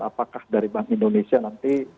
apakah dari bank indonesia nanti